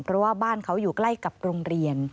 เพราะว่าบ้านเขาอยู่ใกล้กับโรงเรียน